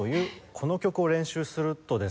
この曲を練習するとですね